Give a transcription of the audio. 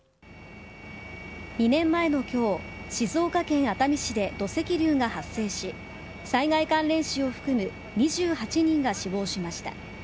２年前のきょう、静岡県熱海市で土石流が発生し、災害関連死を含む２８人が死亡しました。